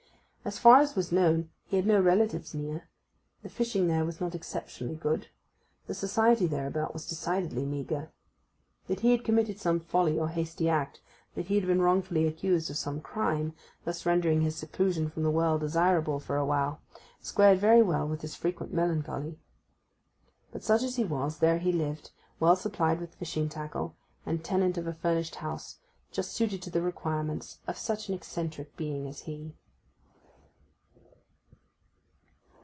As far as was known he had no relatives near; the fishing there was not exceptionally good; the society thereabout was decidedly meagre. That he had committed some folly or hasty act, that he had been wrongfully accused of some crime, thus rendering his seclusion from the world desirable for a while, squared very well with his frequent melancholy. But such as he was there he lived, well supplied with fishing tackle, and tenant of a furnished house, just suited to the requirements of such an eccentric being as he.